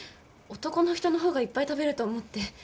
男の人の方がいっぱい食べると思って。